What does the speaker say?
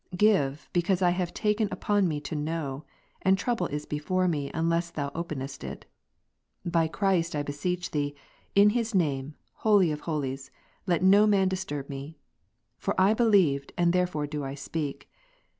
Give, because I have taken upon me to know, and Ps. 73, trouble is before me until Thou openest it. By Christ I ^^' beseech Thee, in His Name, Holy of holies, let no man dis Ps. 116, turb me. Yov I believed, and therefore do I speak.